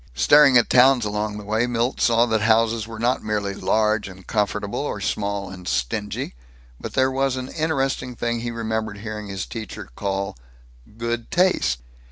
Staring at towns along the way, Milt saw that houses were not merely large and comfortable, or small and stingy; but that there was an interesting thing he remembered hearing his teachers call "good taste."